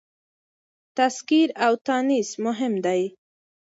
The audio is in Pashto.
تذکير او تانيث مهم دي.